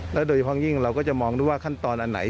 โดยเฉพาะยิ่งเราก็จะมองด้วยว่าขั้นตอนอันไหน